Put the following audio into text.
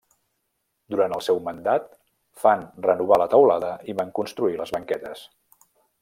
Durant el seu mandat fan renovar la teulada i van construir les banquetes.